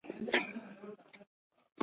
خیال د شعر له مهمو عنصرو څخه دئ.